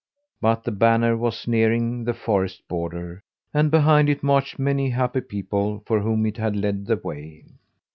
But the banner was nearing the forest border, and behind it marched many happy people for whom it had led the way.